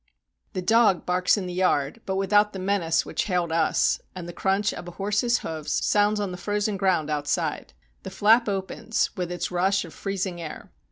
The dog barks in the yard, but without the menace which hailed us, and the crunch of a horse's hoofs sounds on the frozen ground outside. The flap opens, with its rush of freezing air.